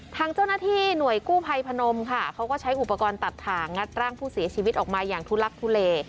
ทางเจ้าหน้าที่หน่วยกู้ภัยพนมค่ะเขาก็ใช้อุปกรณ์ตัดถ่างงัดร่างผู้เสียชีวิตออกมาอย่างทุลักทุเล